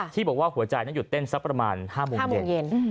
ที่บอกว่าหัวใจนั้นหยุดเต้นสักประมาณ๕โมงเย็น